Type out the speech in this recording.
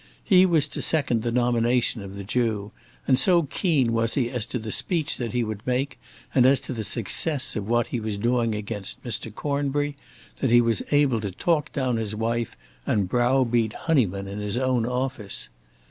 He was to second the nomination of the Jew, and so keen was he as to the speech that he would make, and as to the success of what he was doing against Mr. Cornbury, that he was able to talk down his wife, and browbeat Honyman in his own office.